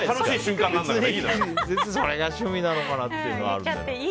それが趣味なのかなっていうのはあるけど。